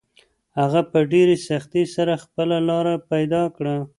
هغه په ډېرې سختۍ سره خپله لاره پیدا کړه.